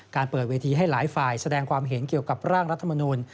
เปิดเวทีให้หลายฝ่ายแสดงความเห็นเกี่ยวกับร่างรัฐมนุน